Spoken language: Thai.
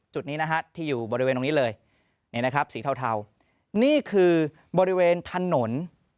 จุดนี้นะฮะที่อยู่บริเวณตรงนี้เลยนี่นะครับสีเทานี่คือบริเวณถนน